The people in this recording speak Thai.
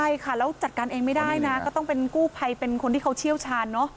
ใช่ค่ะแล้วจัดการเองไม่ได้นะก็ต้องเป็นกู้ภัยเป็นคนที่เขาเชี่ยวชาญเนอะ